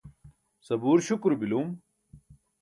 sabuur śukuro bilum